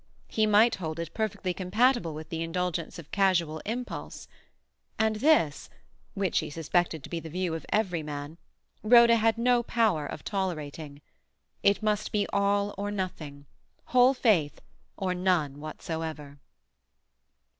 He might hold it perfectly compatible with the indulgence of casual impulse. And this (which she suspected to be the view of every man) Rhoda had no power of tolerating. It must be all or nothing, whole faith or none whatever.